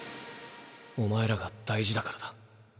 お前らが大事だからだ。